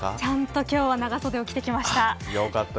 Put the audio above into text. ちゃんと今日は、長袖を着てきました。